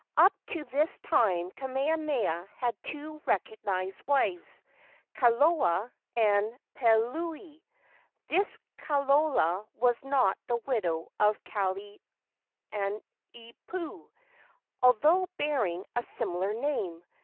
Up to this time Kamehameha had two recognized wives, Kalola and Peleuli. This Kalola was not the widow of Kalaniopuu, although bearing a similar name.